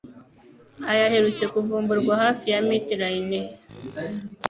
aya aherutse kuvumburwa hafi ya Mit Raineh